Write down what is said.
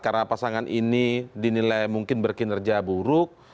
karena pasangan ini dinilai mungkin berkinerja buruk